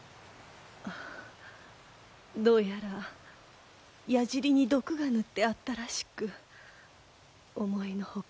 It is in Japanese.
あどうやら矢じりに毒が塗ってあったらしく思いの外。